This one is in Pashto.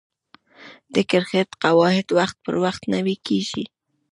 د کرکټ قواعد وخت پر وخت نوي کیږي.